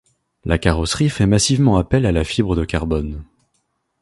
La carrosserie fait massivement appel à la fibre de carbone.